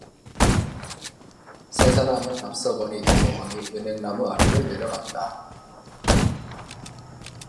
세 사람은 앞서거니 뒤서거니 은행나무 아래로 내려갔다.